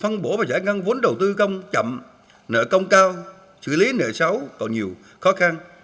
năng vốn đầu tư chậm nợ công cao xử lý nợ xấu còn nhiều khó khăn